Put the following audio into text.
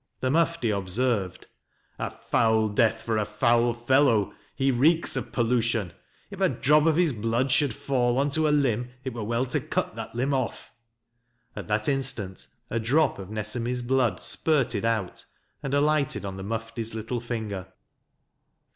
The Mufti observed :" A foul death for a foul fellow; he reeks of pollution. If a drop of his blood should fall on to a limb it were well to cut that limb off." At that instant a drop of Nesemi's blood spurted out and alighted on the Mufti's little finger.